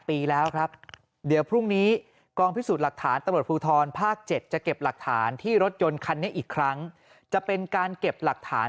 ที่รถยนต์คันนี้อีกครั้งจะเป็นการเก็บหลักฐาน